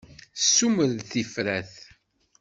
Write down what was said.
Tessumer-d tifrat.